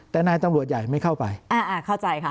แต่นายตำรวจใหญ่ไม่เข้าไปเห็นไหมคะ